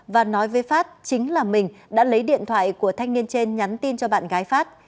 và nói với phát chính là mình đã lấy điện thoại của thanh niên trên nhắn tin cho bạn gái phát